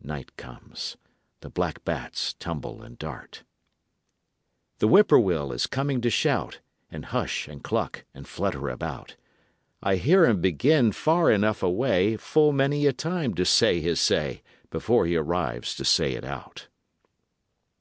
Night comes; the black bats tumble and dart; The whippoorwill is coming to shout And hush and cluck and flutter about: I hear him begin far enough away Full many a time to say his say Before he arrives to say it out.